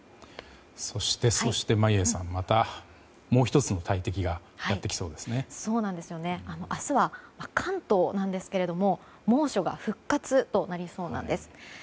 そして、眞家さんもう１つの大敵が明日は関東なんですけど猛暑が復活となりそうなんです。